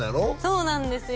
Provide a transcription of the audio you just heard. そうなんですよ